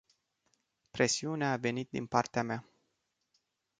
Presiunea a venit din partea mea.